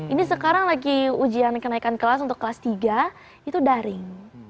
ini sekarang lagi ujian kenaikan kelas untuk kelas tiga itu daring